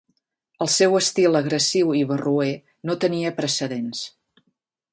El seu estil agressiu i barroer no tenia precedents.